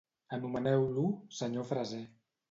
Anomeneu-lo Sr. Fraser.